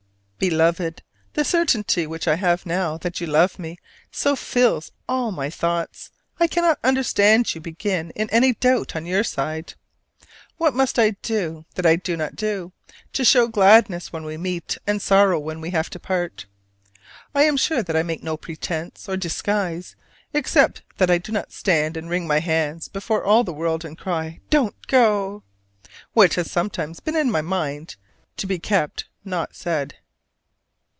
Beloved: The certainty which I have now that you love me so fills all my thoughts, I cannot understand you being in any doubt on your side. What must I do that I do not do, to show gladness when we meet and sorrow when we have to part? I am sure that I make no pretense or disguise, except that I do not stand and wring my hands before all the world, and cry "Don't go!" which has sometimes been in my mind, to be kept not said!